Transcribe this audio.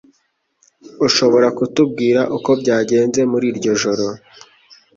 Ushobora kutubwira uko byagenze muri iryo joro?